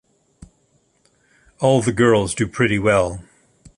All the girls do pretty well.